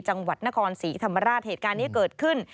จังหวัดนครศรีธรรมราชเหตุการณ์นี้เกิดขึ้น